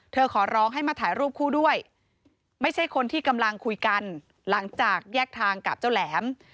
ขอร้องให้มาถ่ายรูปคู่ด้วยไม่ใช่คนที่กำลังคุยกันหลังจากแยกทางกับเจ้าแหลม